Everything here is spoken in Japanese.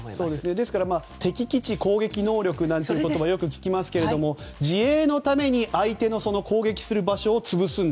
ですから敵基地攻撃能力なんていう言葉よく聞きますが、自衛のために相手の攻撃する場所を潰すんだ。